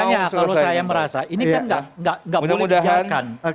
makanya kalau saya merasa ini kan nggak boleh dibiarkan